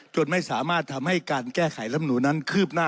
จนไม่สามารถทำให้การแก้ไขรัมหนูนั้น